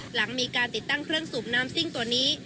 หลังมีการติดตั้งเครื่องสูบน้ำซิ่งตัวนี้